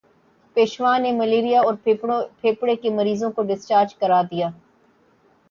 پیشوا نے ملیریا اور پھیپھڑے کے مریضوں کو ڈسچارج کرا دیا